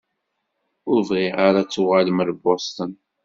Ur bɣiɣ ara ad tuɣalem ar Boston.